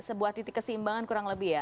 sebuah titik keseimbangan kurang lebih ya